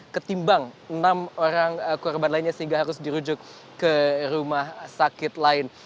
ketimbang enam orang korban lainnya sehingga harus dirujuk ke rumah sakit lain